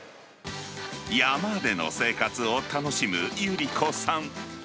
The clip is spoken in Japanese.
山での生活を楽しむ百合子さん。